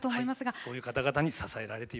そういう方々に支えられているんです。